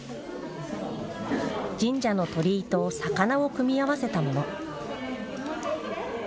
神社の鳥居と魚を組み合わせたもの。